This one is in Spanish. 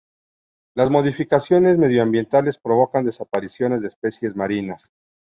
Las modificaciones medioambientales provocan desapariciones de especies marinas.